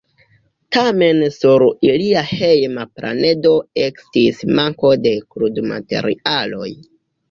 Tamen sur ilia hejma planedo ekestis manko de krudmaterialoj.